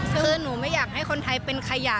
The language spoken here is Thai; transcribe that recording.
คือหนูไม่อยากให้คนไทยเป็นขยะ